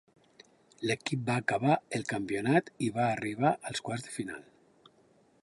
L'equip va acabar el campionat i va arribar als quarts de final.